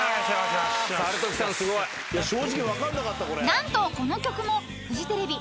［何とこの曲もフジテレビ